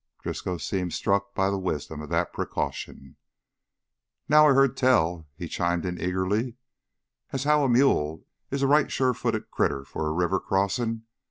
Driscoll seemed struck by the wisdom of that precaution. "Now I heard tell," he chimed in eagerly, "as how a mule is a right sure footed critter for a river crossin'.